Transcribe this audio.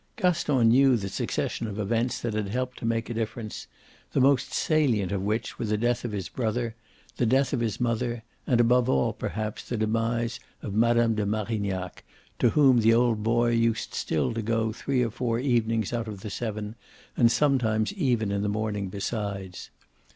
Gaston knew the succession of events that had helped to make a difference, the most salient of which were the death of his brother, the death of his mother, and above all perhaps the demise of Mme. de Marignac, to whom the old boy used still to go three or four evenings out of the seven and sometimes even in the morning besides.